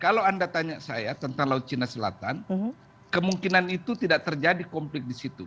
kalau anda tanya saya tentang laut cina selatan kemungkinan itu tidak terjadi konflik di situ